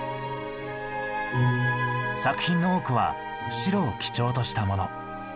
作品の多くは白を基調としたもの。